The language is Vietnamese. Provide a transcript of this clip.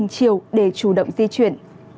chiều để chủ động di chuyển